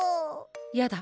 やだ